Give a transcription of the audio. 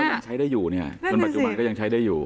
ก็ยังใช้ได้อยู่เนี่ย